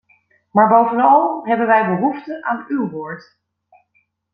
Maar bovenal hebben wij behoefte aan uw woord.